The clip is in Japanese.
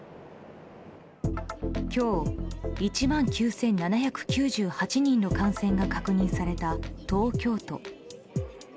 今日、１万９７９８人の感染が確認された東京都。